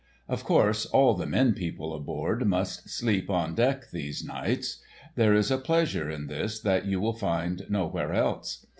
Of course all the men people aboard must sleep on deck these nights. There is a pleasure in this that you will find nowhere else.